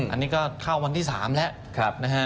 อันนี้ก็เท่าวันที่๓แล้วครับ